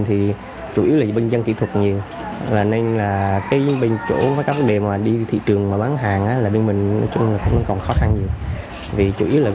hãy bấm đăng ký kênh để nhận thông tin nhất